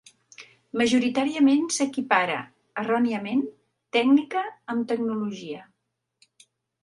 Majoritàriament s'equipara, erròniament, tècnica amb tecnologia.